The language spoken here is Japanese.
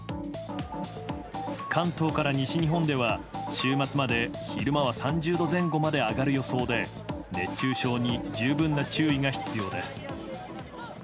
関東から西日本では週末まで昼間は３０度前後まで上がる予想で熱中症に十分な注意が必要です。